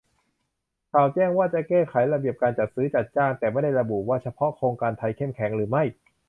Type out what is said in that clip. ข่าวแจ้งว่า จะแก้ไขระเบียบการจัดซื้อจัดจ้าง แต่ไม่ได้ระบุว่าเฉพาะโครงการไทยเข้มแข็งหรือไม่